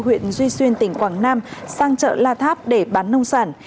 huyện duy xuyên tỉnh quảng nam sang chợ la tháp để bán nông sản